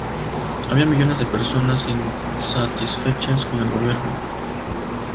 Había millones de personas insatisfechas con el gobierno.